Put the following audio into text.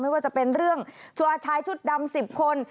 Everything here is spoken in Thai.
ไม่ว่าจะเป็นเรื่องชัวร์ชายชุดดำ๑๐คน